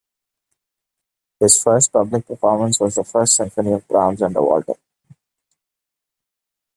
His first public performance was the First Symphony of Brahms under Walter.